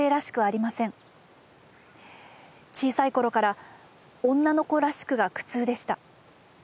小さい頃から『女の子らしく』が苦痛でした。